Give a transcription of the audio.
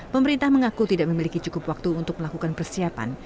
pemerintah mengaku tidak memiliki cukup waktu untuk melakukan persiapan